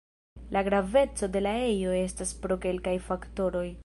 La graveco de la ejo estas pro kelkaj faktoroj.